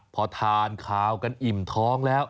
พอทานขาวกันอิ่มท้องแล้ว